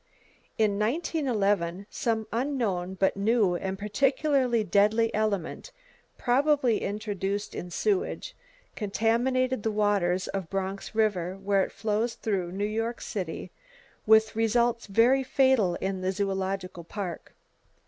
—In 1911, some unknown but new and particularly deadly element, probably introduced in sewage, contaminated the waters of Bronx River where it flows through New York City, with results very fatal in the Zoological Park.